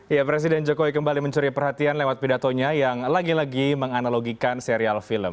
ya presiden jokowi kembali mencuri perhatian lewat pidatonya yang lagi lagi menganalogikan serial film